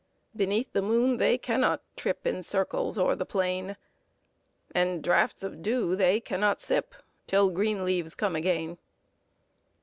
Beneath the moon they cannot trip In circles o'er the plain ; And draughts of dew they cannot sip, Till green leaves come again.